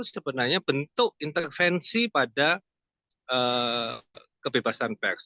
sebenarnya bentuk intervensi pada kebebasan pers